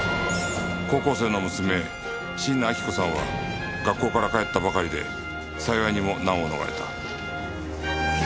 高校生の娘椎名亜希子さんは学校から帰ったばかりで幸いにも難を逃れた。